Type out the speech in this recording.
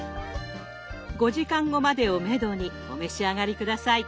５時間後までをめどにお召し上がり下さい。